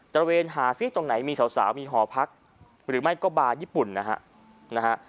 ระเวนหาซิตรงไหนมีสาวมีหอพักหรือไม่ก็บาร์ญี่ปุ่นนะฮะนะฮะ